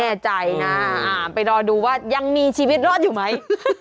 แน่ใจนะไปรอดูว่ายังมีชีวิตรอดอยู่ไหม